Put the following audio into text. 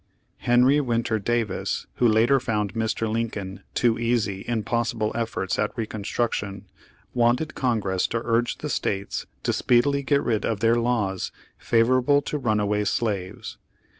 Henry Winter Davis, who later found Mr. Lincoln too easy in possible efforts at reconstruction, wanted Congress to urge the States to speedily get rid of their laws favor able to runaway slaves.